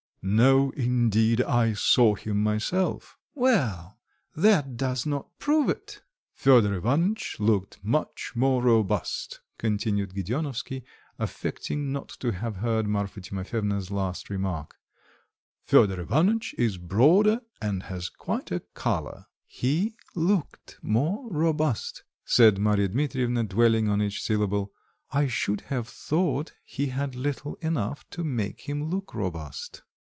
"No, indeed, I saw him myself." "Well, that does not prove it." "Fedor Ivanitch looked much more robust," continued Gedeonovsky, affecting not to have heard Marfa Timofyevna's last remark. "Fedor Ivanitch is broader and has quite a colour." "He looked more robust," said Marya Dmitrievna, dwelling on each syllable. "I should have thought he had little enough to make him look robust."